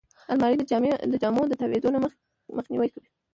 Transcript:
الماري د جامو تاویدو نه مخنیوی کوي